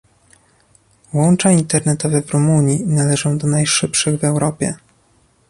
Łącza internetowe w Rumunii należą do najszybszych w Europie